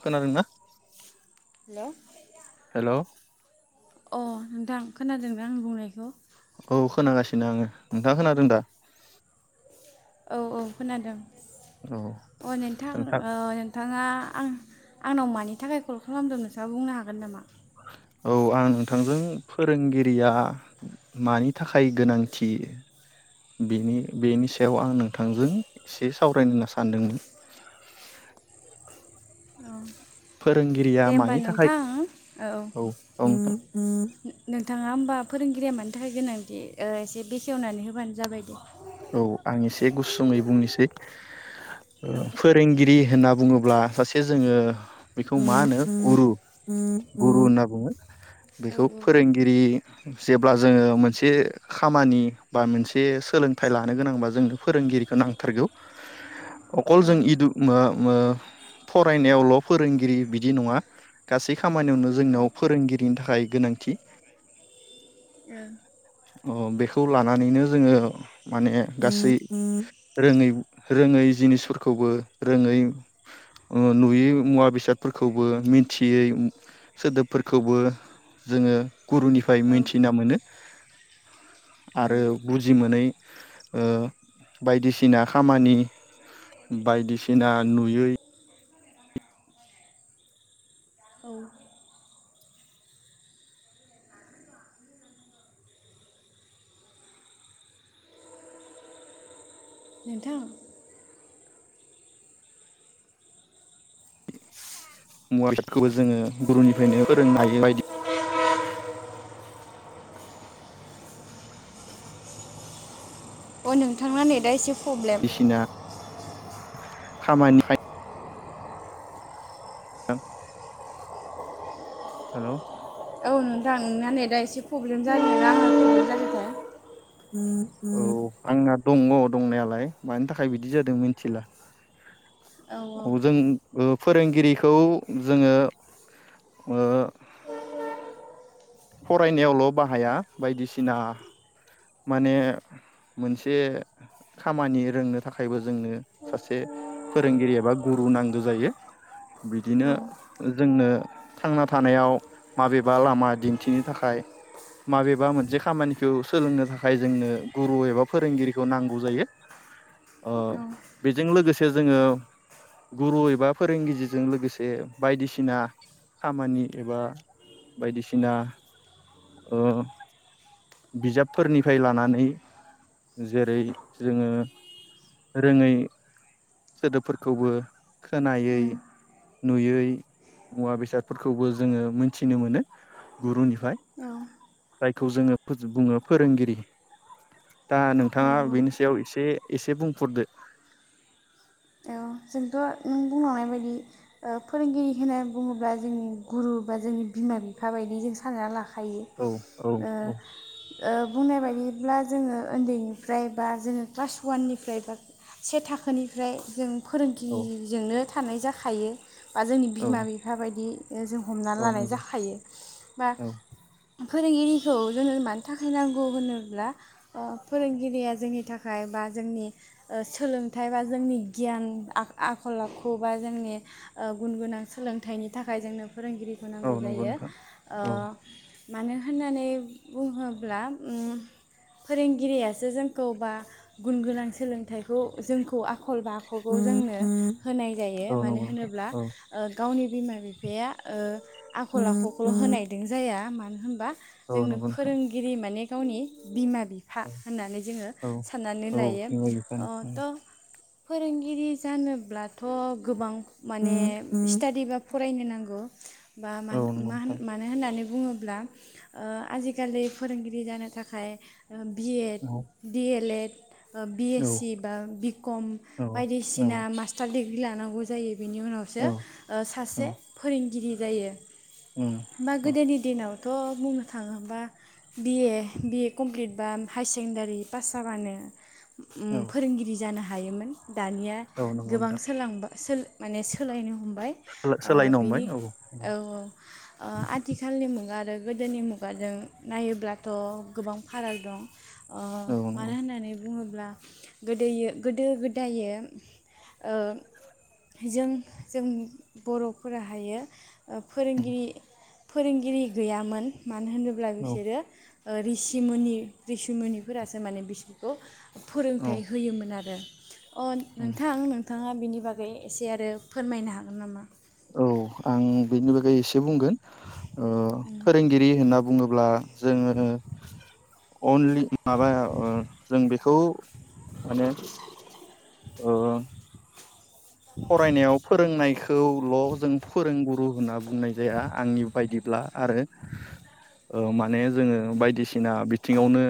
खोनादोंना? Hello hello अ नोंथां खोनादोंना‌ आं बुंनायखौ? औ खोनागासिनो आङो नोंथां खोनादों दा? औ औ खोनादों। औ अ नोंथां औ नोंथाङा आं आंनाव मानि थाखाय कल खालामदों नोंथाङा बुंनो हागोन नामा? औ आं नोंथांजों फोरोंगिरिया मानि थाखाय गोनांथि बेनि बेनि सायाव आं नोंथांजों इसे सावरायनो होनना सानदोंमोन। फोरोंगिरिया दे ओमबा मानि थाखाय नोंथां औ औ नोंथां नोंथाङा ओमबा फोरोंगिरिया मानि थाखाय गोनांदि ओ इसे बेखेवनानै होबानो जाबाय दे। औ आं एसे गुसुङै बुंनोसै ओ औ फोरोंगिरि होनना बुङोब्ला सासे जोङो बेखौ मा होनो गुरु औ गुरु होनना बुङो औ बेखौ फोरोंगिरि जेब्ला जोङो मोनसे खामानि बा मोनसे सोलों थाय लानो गोनांबा जोंनो फोरोंगिरिखौ नांथारगौ। अकल जों ओ इदु [unintelligible] मो फरायनायावल' फोरोंगिरि बिद दि नङा गासै खामानियावनो औ जोंनाव फोरोंगिरिनि थाखाय गोनां थि ओ ओ बेखौ लानानैनो जोङो माने गासै नोंथां रोङै रोङै जिनिसफोरखौबो रोङै ओ नुयै मुवा बेसादफोरखौबो मिन्थियै सोदोबफोरखौबो जोङो गुरुनिफ्राय मोनथिना मोनो आरो बुजि मोनै बायदिसिना खामानि बायदिसिना नुयै औ नोंथां मुवा बेसादखौबो जोङो गुरुनिफ्रायनो फोरोंनो हायो बायदि अ नोंथांना नेदा एसे प्रब्लेम खामायनो हायो। [unintelligible] हेल' औ नोंथां नोंना नेदा एसे प्रब्लेम जादों दां ना आंनासो प्रब्लेम जादोंथाय औ आंना दङ दंनायालाय मानि थाखाय बिदि जादों मिथिला। औ अ जों ओ फोरोंगिरिखौ जोङो ओ फरायनायावल' बाहाया बायदिसिना माने मोनसे खामानि रोंनो थाखायबो जोंनो सासे फोरोंगिरि एबा गुरु नांगौ जायो औ बिदिनो जोंनो थांना थानायाव माबेबा लामा दिन्थिनो थाखाय माबेबा मोनसे खामानिखौ सोलोंनो थाखाय जोंनो गुरु एबा फोरोंगिरिखौ नांगौ जायो बेजों लोगोसे जोङो गुरु एबा फोरोंगिरिजों लोगोसे बायदिसिना खामानि एबा बायदिसिना ओ बिजाबफोरनिफ्राय लानानै जेरै जोङो रोङै सोदोबफोरखौबो खोनायै नुयै मुवा बेसादफोरखौबो जोङो मोनथिनो मोनो गुरुनिफ्राय। औ। जायखौ जोङो बुङो फोरोंगिरि। दा औ औ नोंथाङा औ बेनि सायाव एसे एसे बुंफोरदो ओ जोंथ' नों बुंलांनाय बायदि फोरोंगिरि होनना बुङोब्ला जोंनि गुरु बा जोंनि बिमा बिफा बायदि जों सानना लाखायो खायो औ औ ओ औ ओ बुंनाय बायदिब्ला जोङो उन्दैनिफ्राय बा जोङो क्लास वाननिफ्राय बा से थाखोनिफ्राय जों औ फोरोंगिरिजोंनो थानाय जाखायो। बा जोंनि औ बिमा बिफा बायदि जों हमना औ लानाय नंगौ जाखायो बा औ फोरोंगिरिखौ जोंनो मानि थाखाय नांगौ होनोब्ला फोरोंगिरिया जोंनि थाखाय बा जोंनि सोलोंथाइ बा जोंनि गियान आ आखल आखु बा जोंनि गुन गोनां सोलोंथाइनि थाखाय जोंनो फोरोंगिरिखौ औ नांगौ नंगौ जायो। नोंथां ओ औ मानो होननानै बुङोब्ला ओ फोरोंगिरियासो जोंखौ बा गुन गोनां सोलोंथाइखौ जोंखौ आखल बा खखौ जोंनो होनाय औ जायो मानो नंगौ नोंथां होनोब्ला औ ओ गावनि बिमा बि फाया ओ आखल आखुखौल' होनायदों जाया मानो होनबा औ जोंनो नंगौ नोंथां फोरोंगिरि माने गावनि बिमा बिफा औ होननानै जोङो औ साननानै औ लायो बिमा औ बिफानि थ' फोरोंगिरि जानोब्लाथ' गोबां माने स्टादि बा फरायनो नांगौ बा मान नंगौ मा नोंथां मानो होननानै बुङो ब्ला ओ आजिखालि फोरोंगिरि जानो थाखाय बि एड, औ डि एल एड बि औ एस सि बा बि कम औ बायदिसिना औ मास्टार दि ग्रि लानांगौ जायो। बिनि उनावसो ओ औ सासे फोरोंगिरि जायो‌। उम बा औ गोदोनि दिनाव थ' बुंनो थाङोबोबा B A B A complete बा हायार सेकेणडारि पास जाबानो औ फोरोंगिरि जानो हायोमोन। दानिया नंगौ गोबां नोंथां सोलांबा सो माने सोलायनो हम बाय ओ बेनि औ औ ओ आथिखालनि मुगा आरो गोदोनि मुगाजों नायोब्लाथ' गोबां फाराग दं। अ मानो नंगौ होननानै बुङो ब्ला गोदोयो गोदो गो दायो ओ जों जों बर'फोराहायो ओ फोरोंगिरि फोरोंगिरि गैयामोन। मानो होनोब्ला औ बिसोरो ओ रिसिमोनि रिसिमोनिफोरासो माने बिसोरखौ औ फोरोंथाइ होयोमोन आरो। अ नोंथां नोंथाङा बिनि बाग बै एसे आरो फोरमायनो हागोन नामा? औ आं बेनि बागै एसे ए बुंगोन ओ फोरोंगिरि होनना बुङोब्ला जोङो अनलि माबा ओ जों बे खौ माने ओ फरायनायाव फोरोंनायखौल' जों फोरोंगु गु होनाप बुंनाय जाया आंनि बायदिब्ला। आरो ओ माने जोङो बायदिसिना बिथिङावनो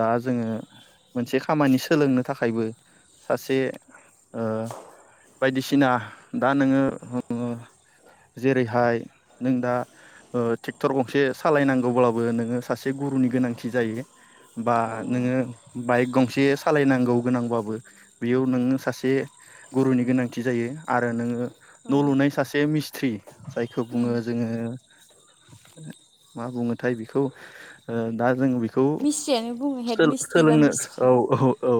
दा जोङो मोनसे खामानि सोलोंनो थाखायबो सासे ओ बायदिसिना दा नोङो ओ जेरैहाय नों दा ओ ट्रेक्टर गंसे सालायनांगौब्लाबो नोङो सासे गुरुनि गोनांथि जायो। बा औ नोङो बाइक गंसे सालायनांगौ गोनांबाबो बेयाव नोङो सासे गुरुनि गोनांथि जायो आरो नोङो औ न' लुनाय सासे मिस [unintelligible] जायखौ उम बुङो जोङो मा बुङोथाय बिखौ ओ दा जों बि खौ मिस्ट्रियानो बुङो हेड फिसोल मिस्ट्रि बा होलोंनो मिस्ट्रि औ औ औ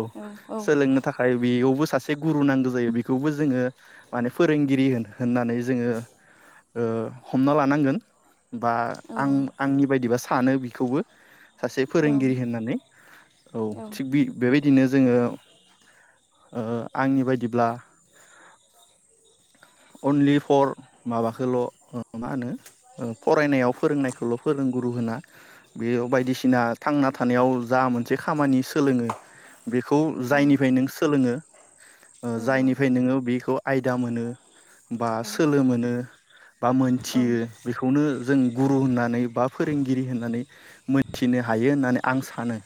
सोलोंनो थाखाय बेयावबो सास से गुरु नानद' जायो बेखौबो जोङो माने फोरोंगिरि होन होननानै जोङो ओ हमना लानांगोन बा औ आं आंनि बायदिबा हानो बिखौबो सासे औ फोरोंगिरि होननानै औ थिग बि बेबायदिनो जोङो ओ आंनि बायदिब्ला अनलि फर माबाखोल' मा होनो ओ फरायनायाव फोरोंनायखौल' फोरोंगुरु होना बे बायदिसिना थांना थानायाव जा मोनसे खामानि सोलोङो बेखौ जायनिफाय नों सोलोङो ओ जायनिफाय नोङो बिख' आयदा मोनो बा सोलो मोनो बा औ मोनथियो बेखौनो जों गुरु होननानै बा फोरोंगिरि होननानै मोनथिनो हायो होननानै आं सानो।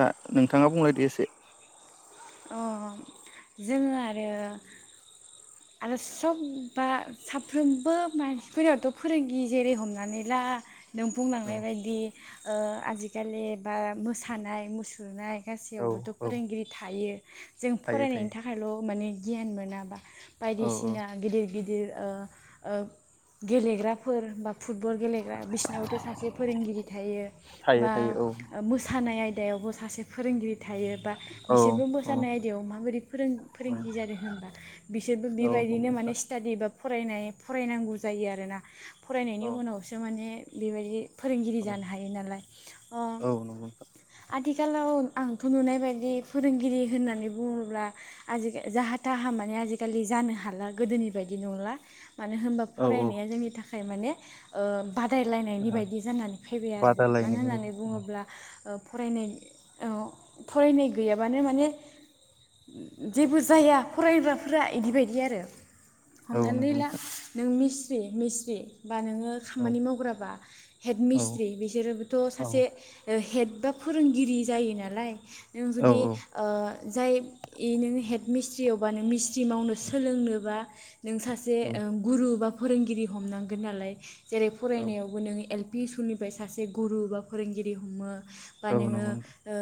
दा नोंथाङा बुंलायदो एसे। अ जोङो आरो आरो सब बा साफ्रोमबो मानसिफोराथ' फोरोंगि जेरै हमनानै ला नों औ बुंलांनाय बायदि ओ आजिखालि बा मोसानाय मुसुरनाय औ गासैयावबोथ' औ फोरोंगिरि थायो जों थायो यैनि थायो थाखायल माने गियान मोनाबा औ औ बायदिसिना गिदिर गिदिर। यो ओ ओ। गेलेग्राफोर बा फुटबल गेलेग्रा बिसिोरनियावथ सासे फोरोंगिरि थायो थायो बा थायो औ ओ मोसानाय आयदा बेयावबो सासे फोरोंगिरि। थायो बा औ बिसोरबो औ मोसानाय आयदायाव मा? फोरों औ फोरोंगिरि जानो होनोब्ला बिसोरबो औ बे नंगौ बायदिनो माने नोंथां सिथादि बा फरायनाय फरायनांगौ जायो आरोना फरायनायनि औ उनावसो माने बेबायदि फोरोंगिरि औ जानो हायो नालाय अ औ नंगौ नोंथां आथिखाल आथिखालाव आंथ नुनाय बायदि फोरोंगिरि होननानै बुंङो होनब्ला आजि जाहा थाहा माने आजिखालि जानो हाला गोदोनि बायदि नंला। मानो होनबा औ फरायनाया जोंनि थाखाय थाखाय माने ओ बादायलायनायनि औ बायदि जानानै फैबाय आरो मानो बादायलायनाय होननानै बुंङोब्ला ओ फरायनाय औ फरायनाय गैयाबानो माने जेबो जाया फरायग्राफोरा इदि बायदि आरो। औ हमनानै नंगौ ला नोंथां नों मिस [unintelligible] मिस्रि बानायनो औ खामानि मावग्राबा हेड औ मिस्ट्रि बिसोरोबोथ औ सासे हेद बा फोरोंगिरि जायो नालाय। नों औ जुदि ओ जाय ए नोंङो हेद मिस्ट्रियावबा नों मिस्ट्रि मावनो सोलोंनोबा नों सासे औ ओ गुरु बा फो फोरोंगिरि हमनांगोन नालाय जेरै औ फरायनायावबो नों एल बे सुनिफ्राय सासे गुरु बा फोरोंगिरि हमो बा औ नोंङो नंगौ नोंथां ओ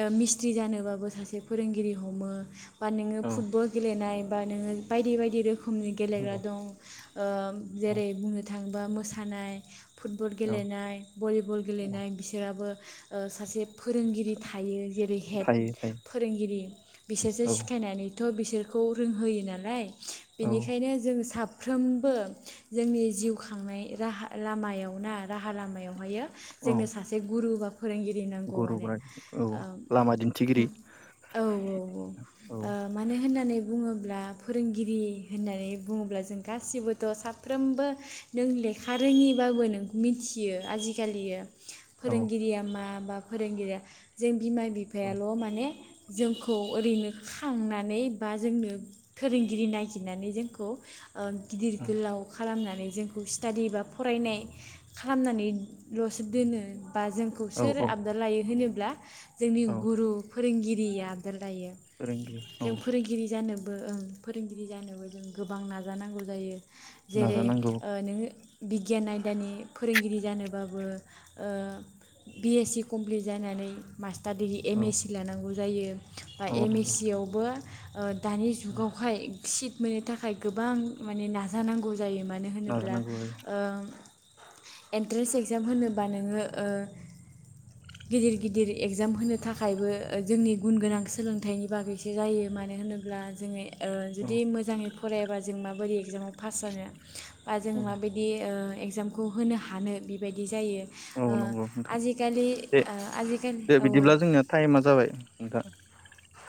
ओ मिस्थ्रि जानोबाबो सासे फोरोंगिरि हमो। बा नोङो औ फुटबल गेलेनाय बा नोङो बायदि बायदि रोखोम नि गेलेग्रा औ दं ओ औ जेरै बुंनो थांबा मोसानाय फुटबल औ गेलेनाय भलिबल औ गेलेनाय बिसोराबो ओ सासे फोरोंगिरि थायो। जेरै हेद थायो थायो फोरोंगिरि बिसोरसो औ सिखायनानै थ' बिसोरखौ रोंहोयो नालाय औ बेनिखायनो जों साफ फ्रोमबो जोंनि जिउ खांनाय राहा लामायाव ना राहा लामायावहायो औ जोंनो सासे गुरु बा फोरोंगिरि नांगौ गुरु माने [unintelligible] औ लामा दिन्थिगिरि। औ औ औ ओ औ मानो होननानै बुङोब्ला फोरोंगिरि होननानै बुङोब्ला जों गासिबोथ' साफ्रोमबो नों लेखा रोङिबाबो नोंखौ मिथियो आजिखालियो। औ फोरोंगिरिया मा? बा फोरोंगिरिया जों बिमा औ बिफायाल' माने जोंखौ ओरैनो खांनानै बा जोंनो फोरोंगिरि नागिरनानै जोंखौ ओ गिदिर गोलाव खालामनानै जोंखौ स्टाडि बा फरायनाय खालामनानैल'सो दोनो। बा जोंखौ औ सोर औ आबाद लायो होनो ल्बा जोंनि औ गुरु फोरोंगि [unintelligible] लायो। फोरोंगिरि औ जों फोरोंगिरि जानो बो ओं फोरोंगिरि जानोबो जों गोबां नाजानांगौ जायो। जेरै नाजानांगौ ओ नोङो बिगियान आयदानि फोरोंगिरि जानोबाबो ओ बि एस सि कमप्लिट जानानै मा स्तार डिग्रि एम औ एस सि लानांगौ जायो। बा औ एम एस नंगौ सि आवबो अ दानि जुगावहाय सिट मोननो थाखाय गोबां माने नाजानांगौ जायो मानो होनोब्ला नाजानांगौ ओ एन्ट्रेन्स एक्जाम होनोबा नोङो ओ गिदिर गिदिर एगजाम होनो थाखायबो जोंनि गुन गोनां सोलोंथाइनि बागैसो जायो मानो होनोब्ला जोङो ओ आरो जुदि मोजाङै फरायाबा जों माबोरै एगजामाव पास जानो। बा जों औ माबायदि ओ एगजामखौ होनो हानो बेबायदि जायो। औ औ ओ नंगौ नोंथां आजिखालि दे ओ आजिखालि दे औ औ। बिदिब्ला जोंनिया टाइमा जाबाय नोंथां।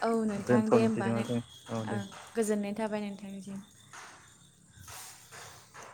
औ नोंथां दे दोनथ'नोसै नामा होमबालाय जों औ दे ओ गोजोननाय। थाबाय नोथांनिसिम।